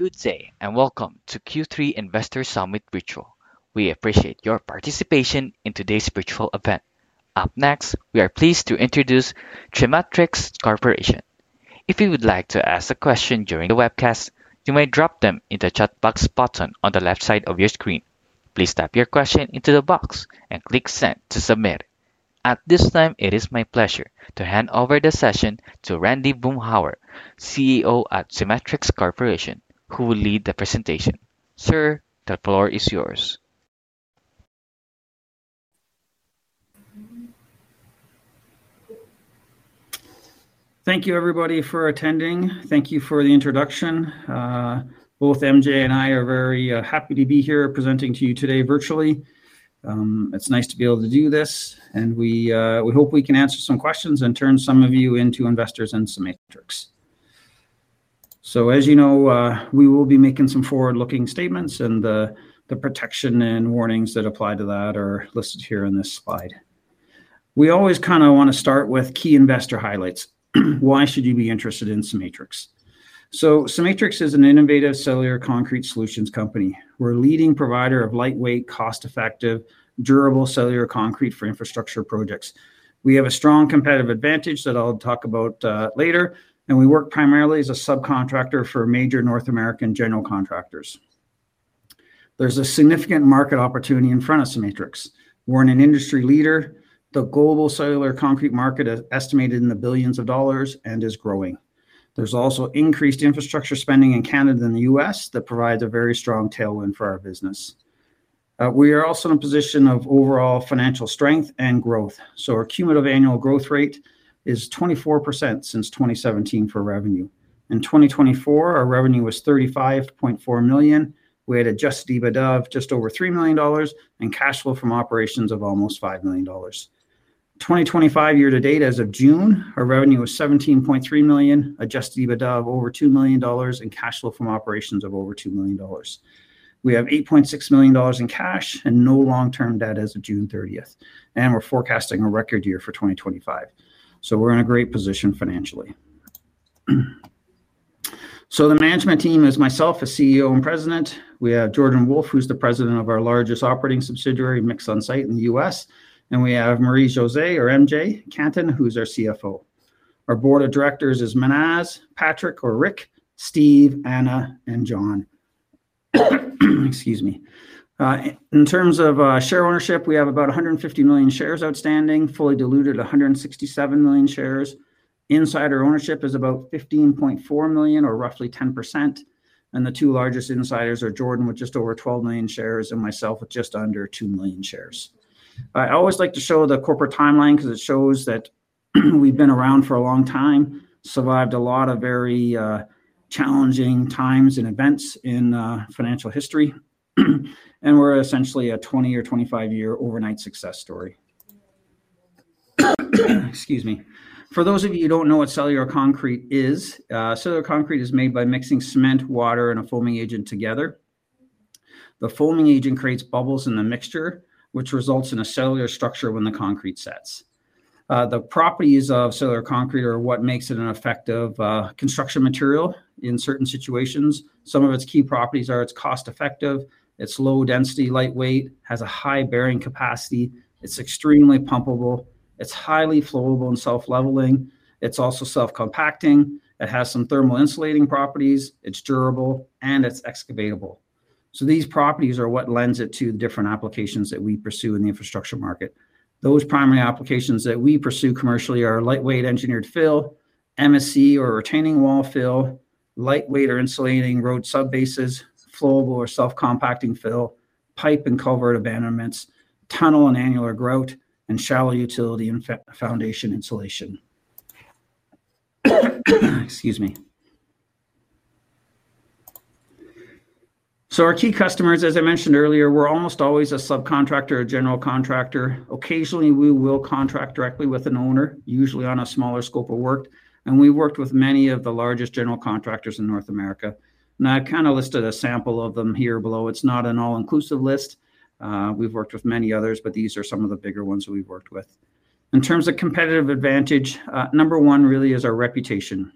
Good day, and welcome to Q3 Investor Summit virtual. We appreciate your participation in today's virtual event. Up next, we are pleased to introduce CEMATRIX Corporation. If you would like to ask a question during the webcast, you may drop them in the chat box button on the left side of your screen. Please type your question into the box and click "Send" to submit. At this time, it is my pleasure to hand over the session to Randy Boomhour, CEO at CEMATRIX Corporation, who will lead the presentation. Sir, the floor is yours. Thank you, everybody, for attending. Thank you for the introduction. Both MJ and I are very happy to be here presenting to you today virtually. It's nice to be able to do this, and we hope we can answer some questions and turn some of you into investors in CEMATRIX. As you know, we will be making some forward-looking statements, and the protection and warnings that apply to that are listed here on this slide. We always want to start with key investor highlights. Why should you be interested in CEMATRIX? CEMATRIX is an innovative cellular concrete solutions company. We're a leading provider of lightweight, cost-effective, durable cellular concrete for infrastructure projects. We have a strong competitive advantage that I'll talk about later, and we work primarily as a subcontractor for major North American general contractors. There's a significant market opportunity in front of CEMATRIX. We're an industry leader. The global cellular concrete market is estimated in the billions of dollars and is growing. There's also increased infrastructure spending in Canada and the U.S. that provides a very strong tailwind for our business. We are also in a position of overall financial strength and growth. Our compound annual growth rate is 24% since 2017 for revenue. In 2024, our revenue was $35.4 million. We had adjusted EBITDA of just over $3 million and cash flow from operations of almost $5 million. In 2025 year to date, as of June, our revenue was $17.3 million, adjusted EBITDA of over $2 million, and cash flow from operations of over $2 million. We have $8.6 million in cash and no long-term debt as of June 30, and we're forecasting a record year for 2025. We're in a great position financially. The management team is myself, the CEO and President. We have Jordan Wolfe, who's the President of our largest operating subsidiary, MixOnSite USA, in the U.S., and we have Marie-Josée, or MJ, Cantin, who's our CFO. Our Board of Directors is Menaz, Patrick, or Rick, Steve, Anna, and John. Excuse me. In terms of share ownership, we have about 150 million shares outstanding, fully diluted at 167 million shares. Insider ownership is about 15.4 million, or roughly 10%, and the two largest insiders are Jordan with just over 12 million shares and myself with just under 2 million shares. I always like to show the corporate timeline because it shows that we've been around for a long time, survived a lot of very challenging times and events in financial history, and we're essentially a 20 or 25-year overnight success story. For those of you who don't know what cellular concrete is, cellular concrete is made by mixing cement, water, and a foaming agent together. The foaming agent creates bubbles in the mixture, which results in a cellular structure when the concrete sets. The properties of cellular concrete are what makes it an effective construction material in certain situations. Some of its key properties are it's cost-effective, it's low-density, lightweight, has a high bearing capacity, it's extremely pumpable, it's highly flowable and self-leveling, it's also self-compacting, it has some thermal insulating properties, it's durable, and it's excavatable. These properties are what lend it to the different applications that we pursue in the infrastructure market. Those primary applications that we pursue commercially are lightweight engineered fill, MSC or retaining wall fill, lightweight or insulating road subbases, flowable or self-compacting fill, pipe and culvert abandonments, tunnel and annular grout, and shallow utility and foundation insulation. Our key customers, as I mentioned earlier, we're almost always a subcontractor or general contractor. Occasionally, we will contract directly with an owner, usually on a smaller scope of work, and we've worked with many of the largest general contractors in North America. I've kind of listed a sample of them here below. It's not an all-inclusive list. We've worked with many others, but these are some of the bigger ones that we've worked with. In terms of competitive advantage, number one really is our reputation.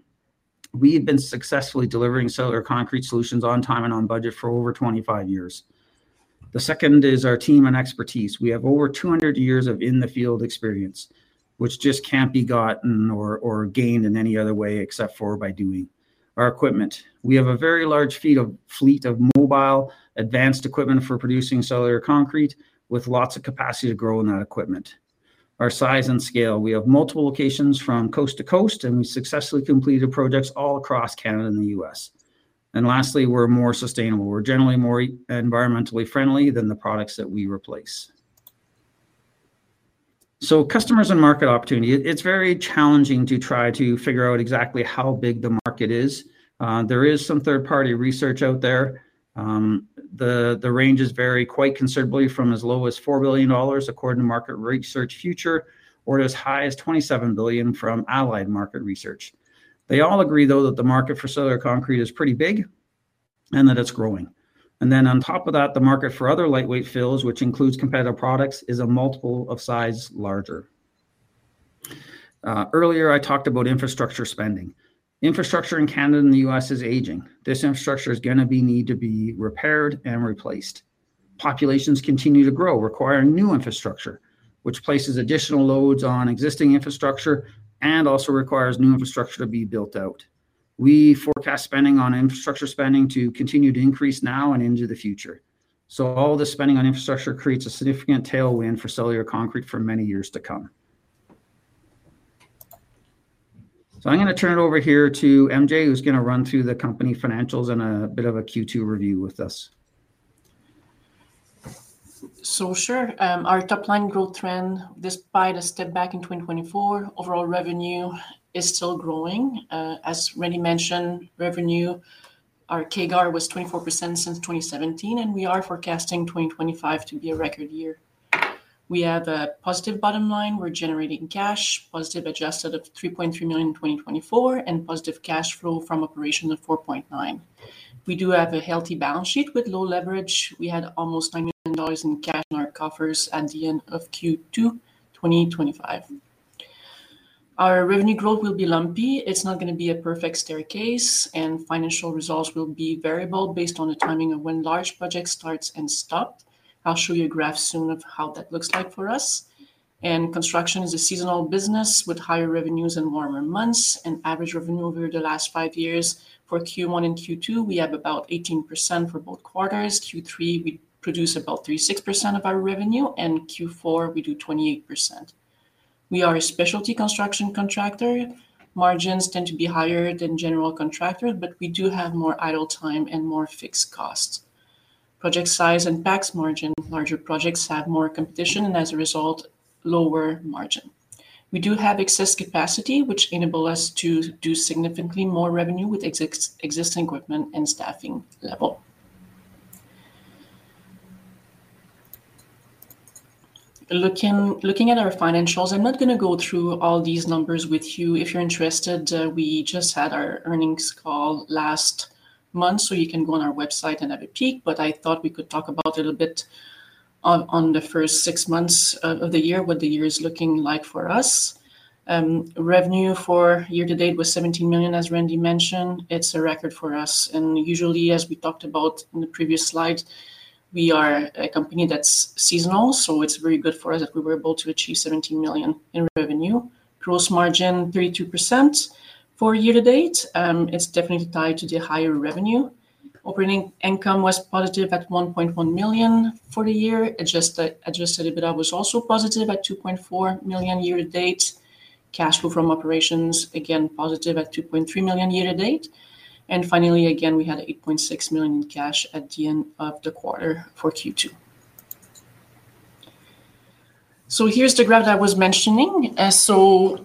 We've been successfully delivering cellular concrete solutions on time and on budget for over 25 years. The second is our team and expertise. We have over 200 years of in-the-field experience, which just can't be gotten or gained in any other way except for by doing. Our equipment. We have a very large fleet of mobile advanced equipment for producing cellular concrete with lots of capacity to grow in that equipment. Our size and scale. We have multiple locations from coast to coast, and we've successfully completed projects all across Canada and the U.S. Lastly, we're more sustainable. We're generally more environmentally friendly than the products that we replace. Customers and market opportunity. It's very challenging to try to figure out exactly how big the market is. There is some third-party research out there. The ranges vary quite considerably from as low as $4 billion according to Market Research Future or as high as $27 billion from Allied Market Research. They all agree, though, that the market for cellular concrete is pretty big and that it's growing. On top of that, the market for other lightweight fills, which includes competitive products, is a multiple of size larger. Earlier, I talked about infrastructure spending. Infrastructure in Canada and the U.S. is aging. This infrastructure is going to need to be repaired and replaced. Populations continue to grow, requiring new infrastructure, which places additional loads on existing infrastructure and also requires new infrastructure to be built out. We forecast spending on infrastructure spending to continue to increase now and into the future. All this spending on infrastructure creates a significant tailwind for cellular concrete for many years to come. I'm going to turn it over here to MJ, who's going to run through the company financials and a bit of a Q2 review with us. Sure. Our top line growth trend, despite a step back in 2024, overall revenue is still growing. As Randy mentioned, revenue, our CAGR was 24% since 2017, and we are forecasting 2025 to be a record year. We have a positive bottom line. We're generating cash, positive adjusted EBITDA of $3.3 million in 2024, and positive cash flow from operations of $4.9 million. We do have a healthy balance sheet with low leverage. We had almost $9 million in cash in our coffers at the end of Q2 2025. Our revenue growth will be lumpy. It's not going to be a perfect staircase, and financial results will be variable based on the timing of when large projects start and stop. I'll show you a graph soon of how that looks like for us. Construction is a seasonal business with higher revenues in warmer months. Average revenue over the last five years for Q1 and Q2, we have about 18% for both quarters. Q3, we produce about 36% of our revenue, and Q4, we do 28%. We are a specialty construction contractor. Margins tend to be higher than general contractors, but we do have more idle time and more fixed costs. Project size impacts margin. Larger projects have more competition, and as a result, lower margin. We do have excess capacity, which enables us to do significantly more revenue with existing equipment and staffing level. Looking at our financials, I'm not going to go through all these numbers with you. If you're interested, we just had our earnings call last month, so you can go on our website and have a peek. I thought we could talk about a little bit on the first six months of the year, what the year is looking like for us. Revenue for year to date was $17 million, as Randy mentioned. It's a record for us. Usually, as we talked about in the previous slide, we are a company that's seasonal, so it's very good for us that we were able to achieve $17 million in revenue. Gross margin 32% for year to date. It's definitely tied to the higher revenue. Operating income was positive at $1.1 million for the year. Adjusted EBITDA was also positive at $2.4 million year to date. Cash flow from operations, again, positive at $2.3 million year to date. Finally, again, we had $8.6 million in cash at the end of the quarter for Q2. Here's the graph that I was mentioning.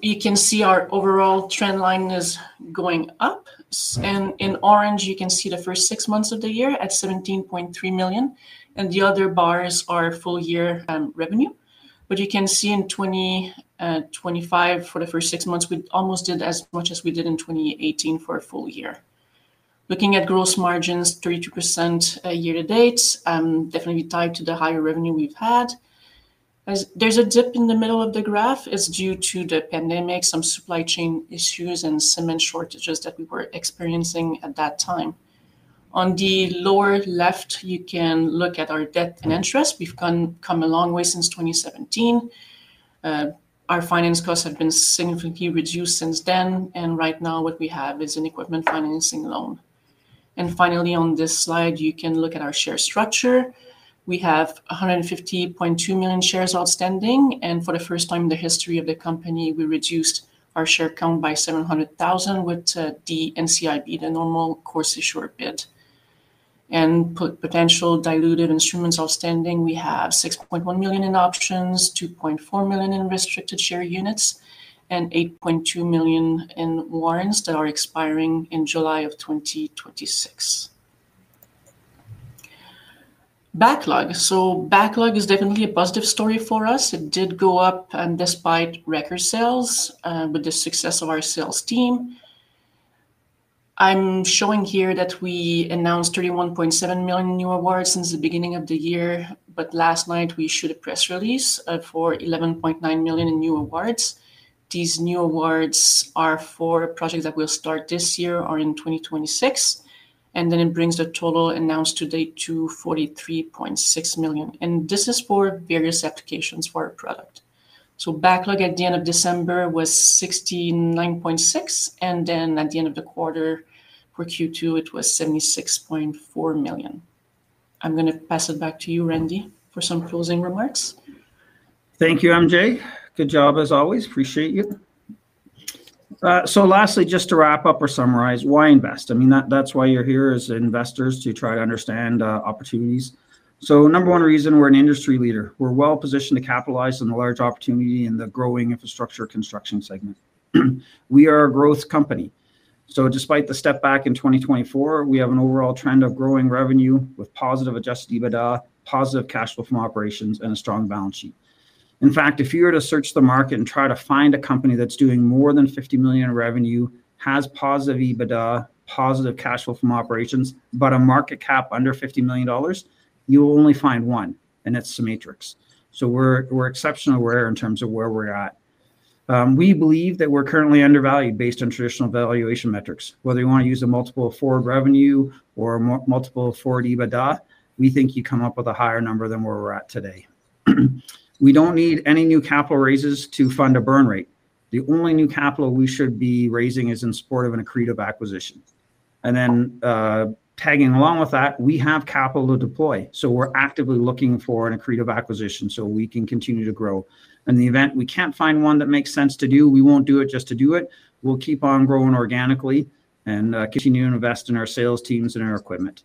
You can see our overall trend line is going up. In orange, you can see the first six months of the year at $17.3 million. The other bars are full-year revenue. You can see in 2025, for the first six months, we almost did as much as we did in 2018 for a full year. Looking at gross margins, 32% year to date, definitely tied to the higher revenue we've had. There's a dip in the middle of the graph. It's due to the pandemic, some supply chain issues, and cement shortages that we were experiencing at that time. On the lower left, you can look at our debt and interest. We've come a long way since 2017. Our finance costs have been significantly reduced since then. Right now, what we have is an equipment financing loan. Finally, on this slide, you can look at our share structure. We have 150.2 million shares outstanding. For the first time in the history of the company, we reduced our share count by $700,000 with the NCIB, the Normal Course Issuer Bid. Potential diluted instruments outstanding, we have $6.1 million in options, $2.4 million in restricted share units, and $8.2 million in warrants that are expiring in July of 2026. Backlog is definitely a positive story for us. It did go up despite record sales with the success of our sales team. I'm showing here that we announced $31.7 million new awards since the beginning of the year. Last night, we issued a press release for $11.9 million in new awards. These new awards are for projects that will start this year or in 2026. It brings the total announced to date to $43.6 million. This is for various applications for our product. Backlog at the end of December was $69.6 million, and at the end of the quarter for Q2, it was $76.4 million. I'm going to pass it back to you, Randy, for some closing remarks. Thank you, MJ. Good job, as always. Appreciate you. Lastly, just to wrap up or summarize, why invest? I mean, that's why you're here as investors, to try to understand opportunities. Number one reason, we're an industry leader. We're well-positioned to capitalize on the large opportunity in the growing infrastructure construction segment. We are a growth company. Despite the step back in 2024, we have an overall trend of growing revenue with positive adjusted EBITDA, positive cash flow from operations, and a strong balance sheet. In fact, if you were to search the market and try to find a company that's doing more than $50 million in revenue, has positive EBITDA, positive cash flow from operations, but a market cap under $50 million, you'll only find one, and that's CEMATRIX. We're exceptional in terms of where we're at. We believe that we're currently undervalued based on traditional valuation metrics. Whether you want to use a multiple of forward revenue or a multiple of forward EBITDA, we think you come up with a higher number than where we're at today. We don't need any new capital raises to fund a burn rate. The only new capital we should be raising is in support of an accretive acquisition. Tagging along with that, we have capital to deploy. We're actively looking for an accretive acquisition so we can continue to grow. In the event we can't find one that makes sense to do, we won't do it just to do it. We'll keep on growing organically and continue to invest in our sales teams and our equipment.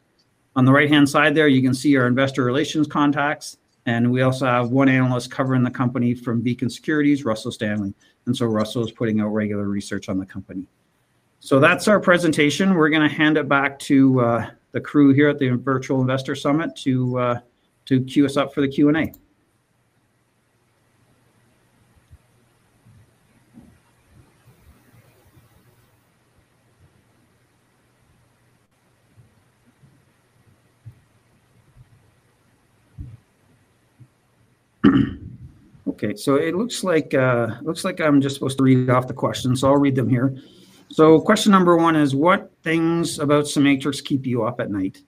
On the right-hand side there, you can see our investor relations contacts, and we also have one analyst covering the company from Beacon Securities, Russell Stanley. Russell is putting out regular research on the company. That's our presentation. We're going to hand it back to the crew here at the virtual investor summit to queue us up for the Q&A. OK, it looks like I'm just supposed to read off the questions. I'll read them here. Question number one is, what things about CEMATRIX keep you up at night?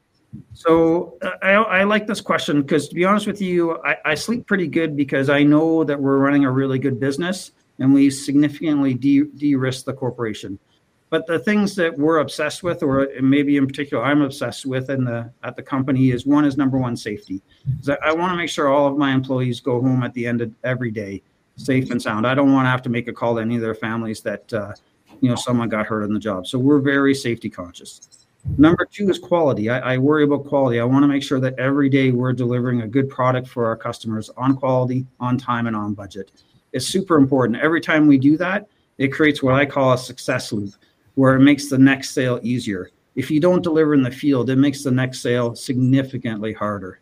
I like this question because, to be honest with you, I sleep pretty good because I know that we're running a really good business and we significantly de-risk the corporation. The things that we're obsessed with, or maybe in particular I'm obsessed with at the company, is one is number one safety. I want to make sure all of my employees go home at the end of every day safe and sound. I don't want to have to make a call to any of their families that someone got hurt on the job. We're very safety conscious. Number two is quality. I worry about quality. I want to make sure that every day we're delivering a good product for our customers on quality, on time, and on budget. It's super important. Every time we do that, it creates what I call a success loop where it makes the next sale easier. If you don't deliver in the field, it makes the next sale significantly harder.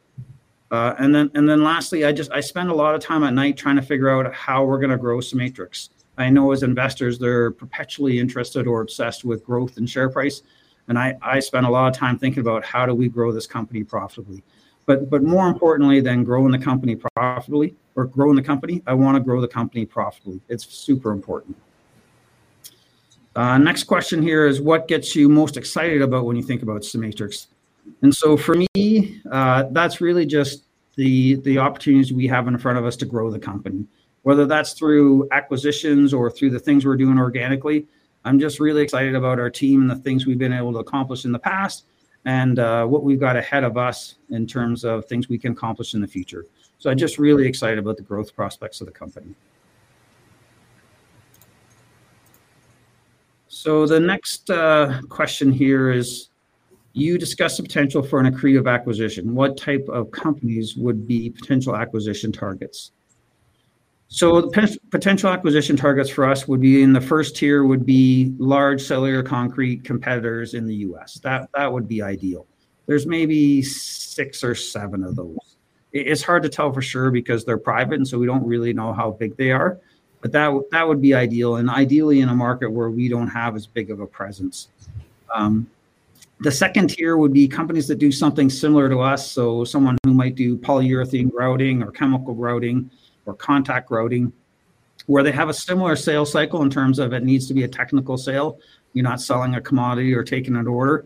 Lastly, I spend a lot of time at night trying to figure out how we're going to grow CEMATRIX. I know as investors, they're perpetually interested or obsessed with growth and share price. I spend a lot of time thinking about how do we grow this company profitably. More importantly than growing the company profitably or growing the company, I want to grow the company profitably. It's super important. Next question here is, what gets you most excited about when you think about CEMATRIX? For me, that's really just the opportunities we have in front of us to grow the company, whether that's through acquisitions or through the things we're doing organically. I'm just really excited about our team and the things we've been able to accomplish in the past and what we've got ahead of us in terms of things we can accomplish in the future. I'm just really excited about the growth prospects of the company. The next question here is, you discussed the potential for an accretive acquisition. What type of companies would be potential acquisition targets? The potential acquisition targets for us would be in the first tier would be large cellular concrete competitors in the U.S. That would be ideal. There's maybe six or seven of those. It's hard to tell for sure because they're private, and we don't really know how big they are. That would be ideal, and ideally in a market where we don't have as big of a presence. The second tier would be companies that do something similar to us, so someone who might do polyurethane grouting or chemical grouting or contact grouting, where they have a similar sales cycle in terms of it needs to be a technical sale. You're not selling a commodity or taking an order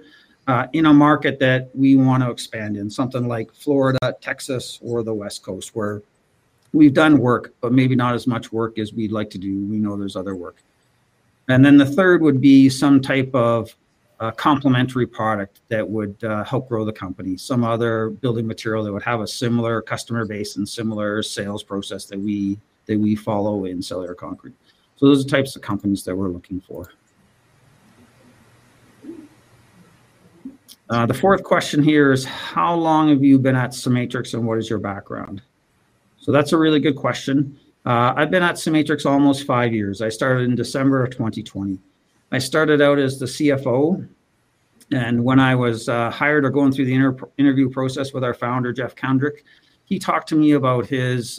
in a market that we want to expand in, something like Florida, Texas, or the West Coast, where we've done work, but maybe not as much work as we'd like to do. We know there's other work. The third would be some type of complementary product that would help grow the company, some other building material that would have a similar customer base and similar sales process that we follow in cellular concrete. Those are the types of companies that we're looking for. The fourth question here is, how long have you been at CEMATRIX and what is your background? That's a really good question. I've been at CEMATRIX almost five years. I started in December of 2020. I started out as the CFO. When I was hired or going through the interview process with our founder, Jeff Kendrick, he talked to me about his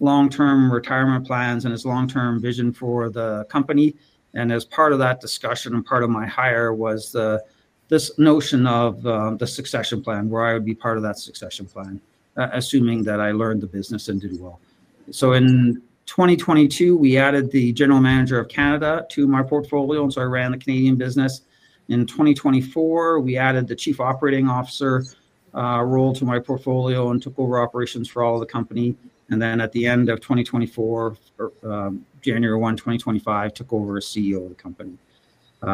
long-term retirement plans and his long-term vision for the company. As part of that discussion and part of my hire was this notion of the succession plan, where I would be part of that succession plan, assuming that I learned the business and did well. In 2022, we added the General Manager of Canada to my portfolio, and I ran the Canadian business. In 2024, we added the Chief Operating Officer role to my portfolio and I took over operations for all of the company. At the end of 2024, January 1, 2025, I took over as CEO of the company.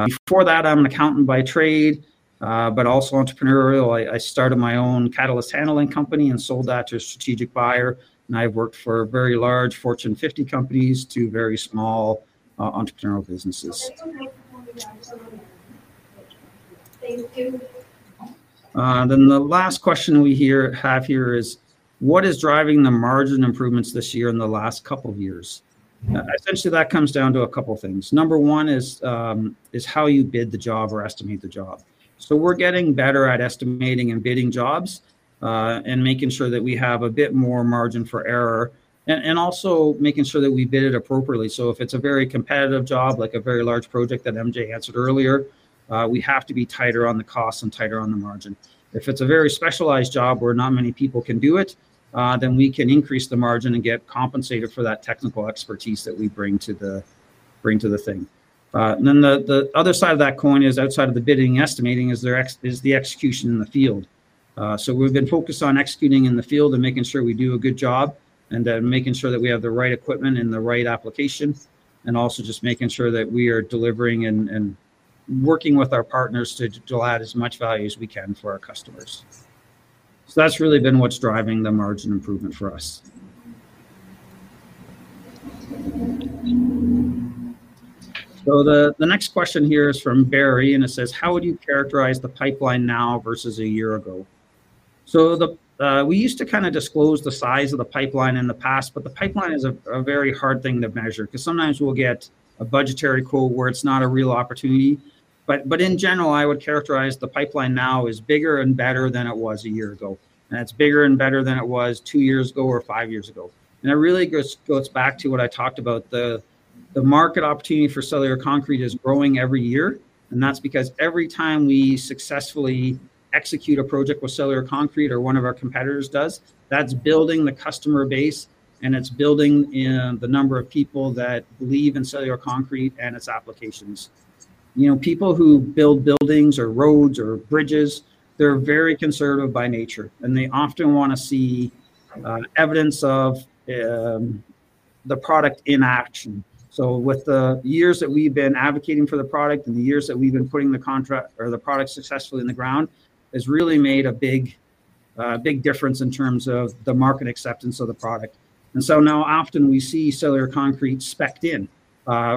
Before that, I'm an accountant by trade, but also entrepreneurial. I started my own catalyst handling company and sold that to a strategic buyer. I've worked for very large Fortune 50 companies to very small entrepreneurial businesses. The last question we have here is, what is driving the margin improvements this year and the last couple of years? Essentially, that comes down to a couple of things. Number one is how you bid the job or estimate the job. We're getting better at estimating and bidding jobs and making sure that we have a bit more margin for error and also making sure that we bid it appropriately. If it's a very competitive job, like a very large project that MJ answered earlier, we have to be tighter on the cost and tighter on the margin. If it's a very specialized job where not many people can do it, we can increase the margin and get compensated for that technical expertise that we bring to the thing. The other side of that coin is outside of the bidding and estimating is the execution in the field. We've been focused on executing in the field and making sure we do a good job, making sure that we have the right equipment and the right application, and also just making sure that we are delivering and working with our partners to add as much value as we can for our customers. That's really been what's driving the margin improvement for us. The next question here is from Barry, and it says, how would you characterize the pipeline now versus a year ago? We used to kind of disclose the size of the pipeline in the past, but the pipeline is a very hard thing to measure because sometimes we'll get a budgetary quote where it's not a real opportunity. In general, I would characterize the pipeline now as bigger and better than it was a year ago. It's bigger and better than it was two years ago or five years ago. That really goes back to what I talked about. The market opportunity for cellular concrete is growing every year. That's because every time we successfully execute a project with cellular concrete or one of our competitors does, that's building the customer base, and it's building the number of people that believe in cellular concrete and its applications. People who build buildings or roads or bridges are very conservative by nature, and they often want to see evidence of the product in action. With the years that we've been advocating for the product and the years that we've been putting the product successfully in the ground, it's really made a big difference in terms of the market acceptance of the product. Now often we see cellular concrete specced in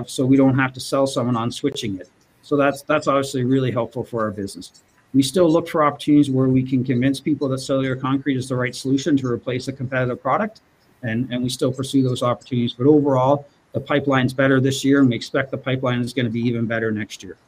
so we don't have to sell someone on switching it. That's obviously really helpful for our business. We still look for opportunities where we can convince people that cellular concrete is the right solution to replace a competitive product, and we still pursue those opportunities. Overall, the pipeline is better this year, and we expect the pipeline is going to be even better next year.